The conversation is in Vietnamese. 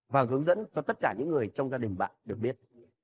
và hướng dẫn cho tất cả những người trong gia đình bạn được biết